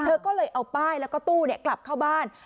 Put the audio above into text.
เธอก็เลยเอาป้ายแล้วก็ตู้กลับเข้าบ้าน